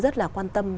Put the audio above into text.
rất là quan tâm